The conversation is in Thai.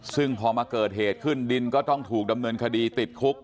ซึ่งพอมาเกิดเหตุขึ้นดินก็ต้องถูกดำเนินคดีติดคุก